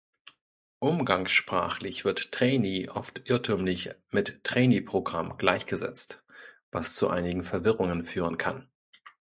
Umgangssprachlich wird Trainee oft irrtümlich mit Traineeprogramm gleichgesetzt, was zu einigen Verwirrungen führen kann.